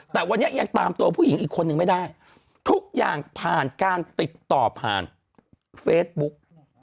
แต่วันนี้ยังตามตัวผู้หญิงอีกคนนึงไม่ได้ทุกอย่างผ่านการติดต่อผ่านเฟซบุ๊ก